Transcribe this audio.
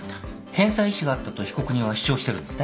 返済意思があったと被告人は主張してるんですね。